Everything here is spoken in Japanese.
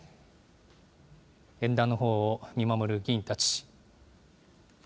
演壇のほうを見守る議員たち。